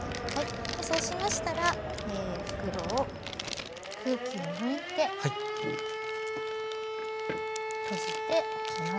そうしましたら袋を空気を抜いて閉じておきます。